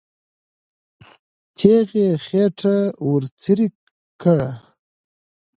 تیغ یې خېټه ورڅېړې کړه.